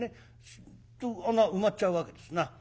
スッと穴埋まっちゃうわけですな。